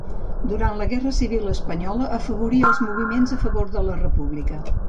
Durant la Guerra Civil espanyola afavorí els moviments a favor de la República.